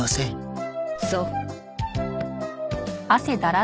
そう。